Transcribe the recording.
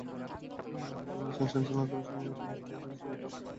পুরো অনুষ্ঠান সঞ্চালনা করেন সম্মিলিত নাট্য পরিষদ সিলেটের সাধারণ সম্পাদক রজতকান্তি গুপ্ত।